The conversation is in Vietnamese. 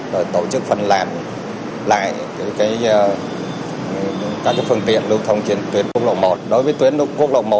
rồi tổ chức phân làm lại các cái phương tiện lưu thông trên tuyến quốc lộ một